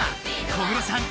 小室さん